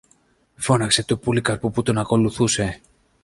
φώναξε του Πολύκαρπου που τον ακολουθούσε.